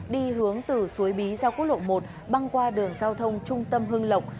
đi hướng từ suối bí ra quốc lộ một băng qua đường giao thông trung tâm hưng lộng